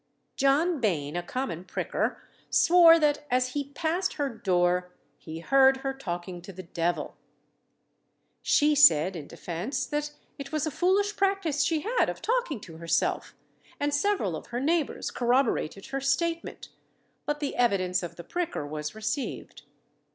John Bain, a common pricker, swore that, as he passed her door, he heard her talking to the devil. She said, in defence, that it was a foolish practice she had of talking to herself, and several of her neighbours corroborated her statement; but the evidence of the pricker was received.